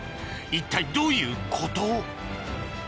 一体どういうこと？